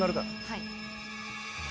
はい。